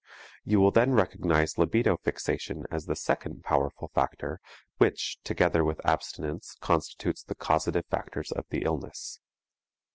You will then recognize libido fixation as the second powerful factor which together with abstinence constitutes the causative factors of the illness.